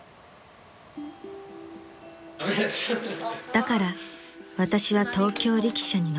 ［だから私は東京力車に残る］